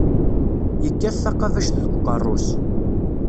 Yekkat taqabact deg uqerru-s.